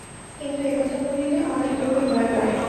কিন্তু একথা বলিলে অনেক লোকে ভয় পায়।